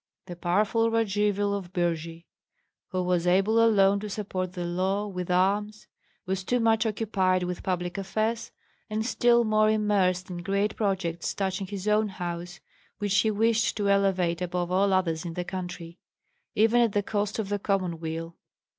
The powerful Radzivill of Birji, who was able alone to support the law with arms, was too much occupied with public affairs and still more immersed in great projects touching his own house, which he wished to elevate above all others in the country, even at the cost of the common weal.